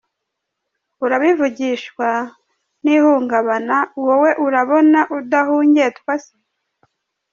Urabivugishwa ni ihungabana ,wowe urabona udahungetwa se?